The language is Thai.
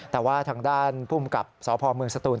แต่ว่าทางด้านภูมิกับสพเมืองสตูน